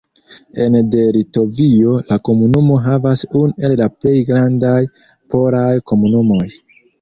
Ene de Litovio, la komunumo havas unu el la plej grandaj polaj komunumoj.